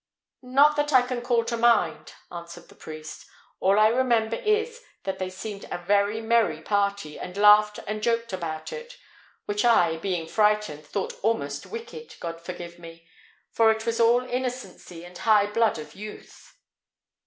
"Not that I can call to mind," answered the priest. "All I remember is, that they seemed a very merry party, and laughed and joked about it; which I, being frightened, thought almost wicked, God forgive me! for it was all innocency and high blood of youth."